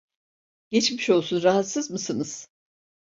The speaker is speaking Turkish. Geçmiş olsun, rahatsız mısınız?